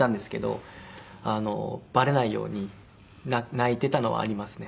バレないように泣いていたのはありますね。